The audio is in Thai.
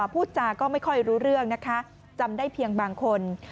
พูดจาก็ไม่ค่อยรู้เรื่องนะคะจำได้เพียงบางคน